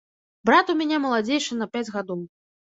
Брат у мяне маладзейшы на пяць гадоў.